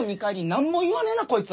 何も言わねぇなこいつは。